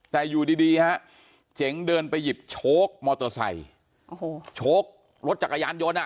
แต่อยู่ดีดีฮะเจ๋งเดินไปหยิบโชคมอเตอร์ไซค์โอ้โหโชครถจักรยานยนต์อ่ะ